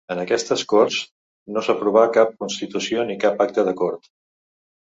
En aquestes corts no s'aprova cap constitució ni cap acte de cort.